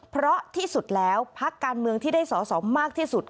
เพราะที่สุดแล้วพักการเมืองที่ได้สอสอมากที่สุด